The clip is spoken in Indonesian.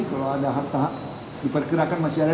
kalau ada harta diperkirakan masih ada